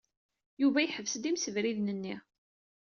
Yuba yeḥbes-d imsebriden-nni.